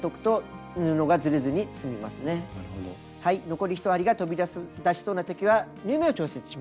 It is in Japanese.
残り１針が飛び出しそうなときは縫い目を調節しましょう。